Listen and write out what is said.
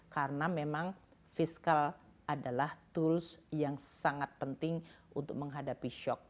karena memang fiskal adalah tools yang sangat penting untuk menghadapi shock